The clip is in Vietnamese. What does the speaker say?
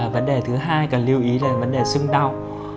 vấn đề thứ hai cần lưu ý là vấn đề sưng đau